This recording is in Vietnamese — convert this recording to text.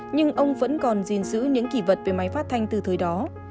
nhưng ông vẫn còn gìn giữ những kỷ vật về máy phát thanh từ thời đó